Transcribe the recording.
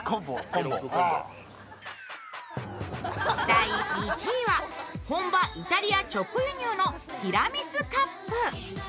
第１位は本場イタリア直輸入のティラミスカップ。